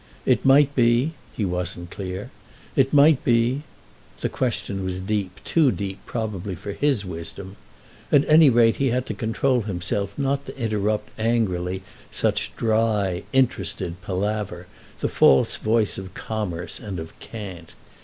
It might be—he wasn't clear; it might be—the question was deep, too deep, probably, for his wisdom; at any rate he had to control himself not to interrupt angrily such dry, interested palaver, the false voice of commerce and of cant.